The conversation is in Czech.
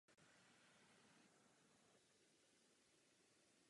Každý letoun byl upraven na náklady společnosti Lockheed v sídle závodu.